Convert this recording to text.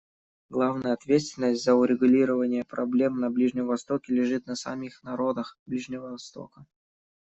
Главная ответственность за урегулирование проблем на Ближнем Востоке лежит на самих народах Ближнего Востока.